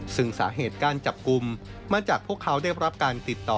ซึ่งสาเหตุการจับกลุ่มมาจากพวกเขาได้รับการติดต่อ